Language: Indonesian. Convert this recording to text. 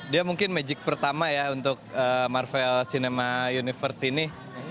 dia mungkin magic pertama ya untuk marvel cinema universe ini